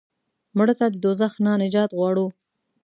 مړه ته د دوزخ نه نجات غواړو